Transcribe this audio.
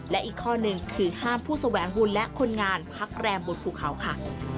และอีกข้อหนึ่งคือห้ามผู้แสวงบุญและคนงานพักแรมบนภูเขาค่ะ